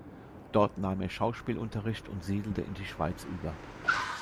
Dort nahm er Schauspielunterricht und siedelte in die Schweiz über.